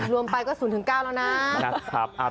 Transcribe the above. รวมไปก็๐๙แล้วนะ